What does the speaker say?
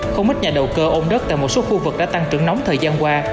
không ít nhà đầu cơ ôn đất tại một số khu vực đã tăng trưởng nóng thời gian qua